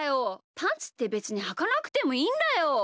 パンツってべつにはかなくてもいいんだよ！